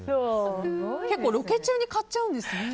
ロケ中に買っちゃうんですね。